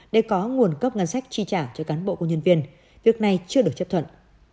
để có nguồn cấp ngàn sách tri trả cho cán bộ của nhân viên việc này chưa được chấp thuận